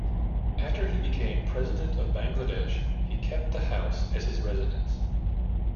After he became President of Bangladesh, he kept the house as his residence.